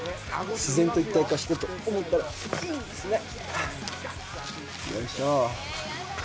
自然と一体化してると思ったらいいんですね。